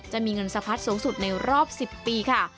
จะมีเงินสะพัดสูงสุดในรอบ๑๐ปีค่ะ